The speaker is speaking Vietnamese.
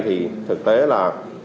thì thực tế là